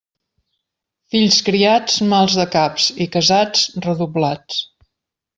Fills criats, mals de caps, i casats, redoblats.